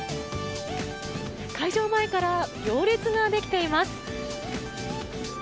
開場前から行列ができています。